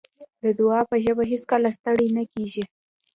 د دعا ژبه هېڅکله ستړې نه کېږي.